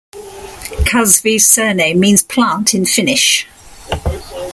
Kasvi's surname means "plant" in Finnish.